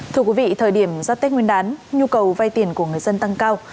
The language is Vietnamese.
thưa quý vị thời điểm giáp tết nguyên đán nhu cầu vay tiền của người dân tăng cao